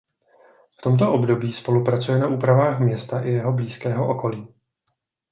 V tomto období spolupracuje na úpravách města i jeho blízkého okolí.